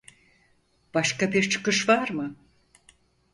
Başka bir çıkış var mı?